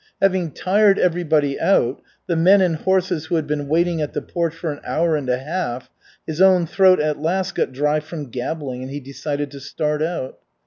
Having tired everybody out, the men and horses who had been waiting at the porch for an hour and a half, his own throat at last got dry from gabbling, and he decided to start out.